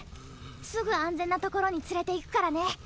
すぐ安全な所に連れていくからね。